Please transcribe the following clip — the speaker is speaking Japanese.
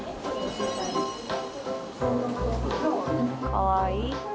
かわいい。